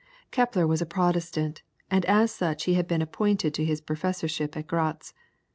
Kepler was a Protestant, and as such he had been appointed to his professorship at Gratz.